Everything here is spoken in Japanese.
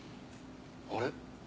あれ？